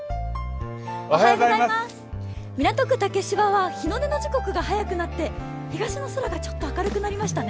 港区竹芝は日の出の時刻が早くなって、東の空がちょっと明るくなりましたね。